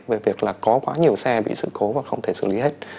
về việc là có quá nhiều xe bị sự cố và không thể xử lý hết